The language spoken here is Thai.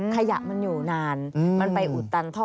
ขยะมันอยู่นานมันไปอุดตันท่อ